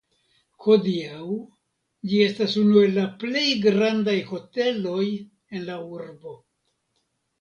Hodiaŭ ĝi estas unu el la plej grandaj hoteloj en la urbo.